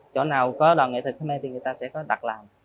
chỗ nào có đoàn nghệ thực thế mê thì người ta sẽ có đặt làm